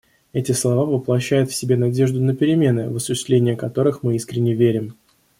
Эти слова воплощают в себе надежду на перемены, в осуществление которых мы искренне верим.